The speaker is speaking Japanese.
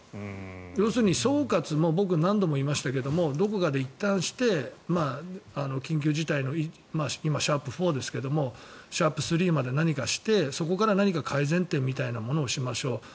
要するに総括も僕何度も言いましたけどどこかでいったんして緊急事態の今、シャープ４ですけどシャープ３まで何かしてそこから何か改善みたいなのをしましょう。